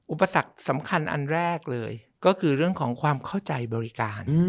อุปสรรคสำคัญอันแรกเลยก็คือเรื่องของความเข้าใจบริการ